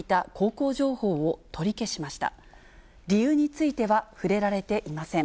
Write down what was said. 理由については触れられていません。